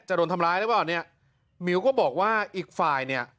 โดนทำร้ายหรือเปล่าเนี่ยหมิวก็บอกว่าอีกฝ่ายเนี่ย